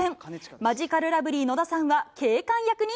マヂカルラブリー・野田さんは、警官役に？